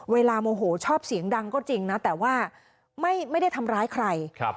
โมโหชอบเสียงดังก็จริงนะแต่ว่าไม่ได้ทำร้ายใคร